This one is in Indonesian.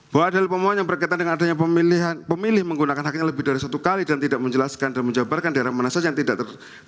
bahwa adalah pemohon yang berkaitan dengan adanya pemilih menggunakan haknya lebih dari satu kali dan tidak menjelaskan dan menjabarkan daerah mana saja yang tidak ter